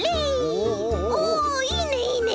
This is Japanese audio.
おおいいねいいね。